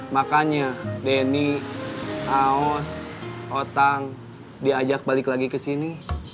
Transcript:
makanya denny aos otang diajak balik lagi ke sini